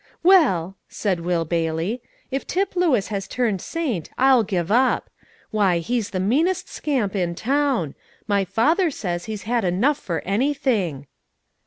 "Well," said Will Bailey, "if Tip Lewis has turned saint, I'll give up. Why, he's the meanest scamp in town; my father says he's had enough for anything."